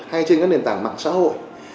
hay trên các nền tảng mạng xã hội